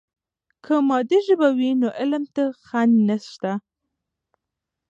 که مادي ژبه وي نو علم ته خنډ نسته.